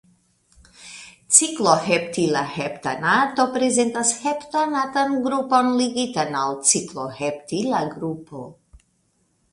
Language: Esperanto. Cikloheptila heptanato prezentas heptanatan grupon ligitan al cikloheptila grupo.